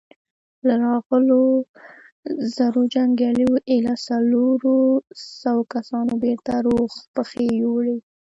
له راغلو زرو جنګياليو ايله څلورو سوو کسانو بېرته روغي پښې يووړې.